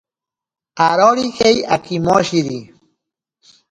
Arorijei akimoshireri.